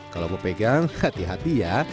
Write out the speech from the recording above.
kalau mau pegang hati hati ya